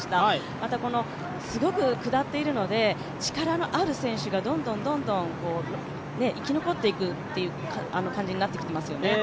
また、すごく下っているので、力のある選手がどんどん生き残っていくという感じになってきてますよね。